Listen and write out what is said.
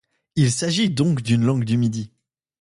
Il s’agit donc d’une langue du Midi.